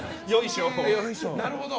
なるほど！